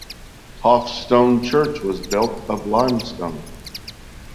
Hoff stone church was built of limestone.